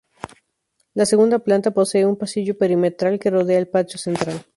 La segunda planta posee un pasillo perimetral que rodea el patio central.